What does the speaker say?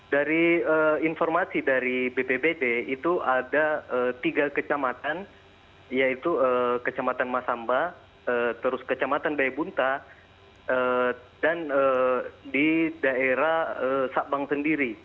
dari informasi dari bpbd itu ada tiga kecamatan yaitu kecamatan masamba terus kecamatan bayabunta dan di daerah sabang sendiri